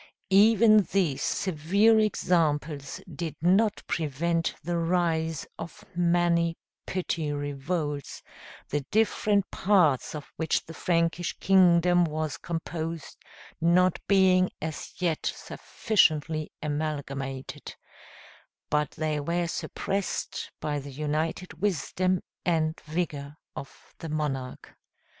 Even these severe examples did not prevent the rise of many petty revolts, the different parts of which the Frankish kingdom was composed not being as yet sufficiently amalgamated; but they were suppressed by the united wisdom and vigor of the monarch.